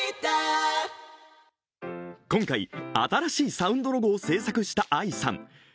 今回、新しいサウンドロゴを制作したＡＩさん。